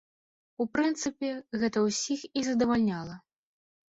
У прынцыпе, гэта ўсіх і задавальняла.